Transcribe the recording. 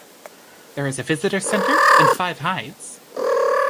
There is a Visitor Centre and five hides.